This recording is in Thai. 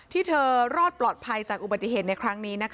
ที่เธอรอดปลอดภัยจากอุบัติเหตุในครั้งนี้